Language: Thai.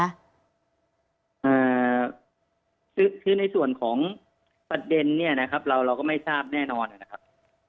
อ่าคือในส่วนของประเด็นเนี่ยนะครับเราเราก็ไม่ทราบแน่นอนนะครับ